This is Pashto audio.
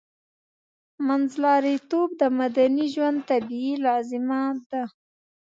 منځلاریتوب د مدني ژوند طبیعي لازمه ده